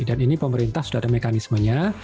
dan ini pemerintah sudah ada mekanismenya